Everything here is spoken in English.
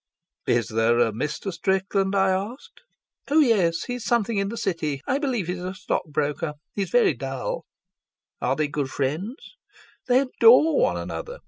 "Is there a Mr. Strickland?" I asked "Oh yes; he's something in the city. I believe he's a stockbroker. He's very dull." "Are they good friends?" "They adore one another.